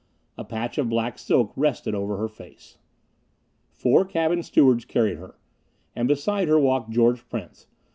A patch of black silk rested over her face. Four cabin stewards carried her. And beside her walked George Prince.